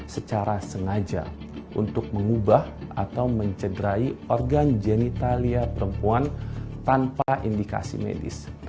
secara sengaja untuk mengubah atau mencederai organ genitalia perempuan tanpa indikasi medis